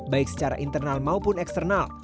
baik secara internal maupun eksternal